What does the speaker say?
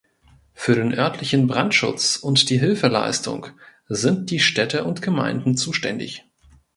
Für den örtlichen Brandschutz und die Hilfeleistung sind die Städte und Gemeinden zuständig.